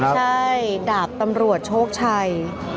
ใช่ดาบตำรวจโชคชัย